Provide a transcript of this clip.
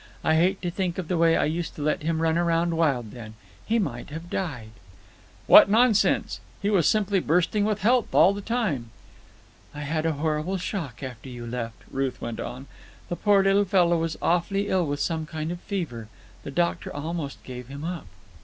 I hate to think of the way I used to let him run around wild then. He might have died." "What nonsense! He was simply bursting with health all the time." "I had a horrible shock after you left," Ruth went on. "The poor little fellow was awfully ill with some kind of a fever. The doctor almost gave him up."